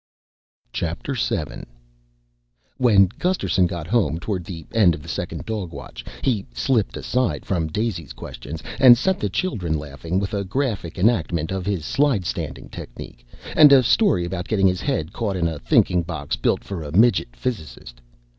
VII When Gusterson got home toward the end of the second dog watch, he slipped aside from Daisy's questions and set the children laughing with a graphic enactment of his slidestanding technique and a story about getting his head caught in a thinking box built for a midget physicist.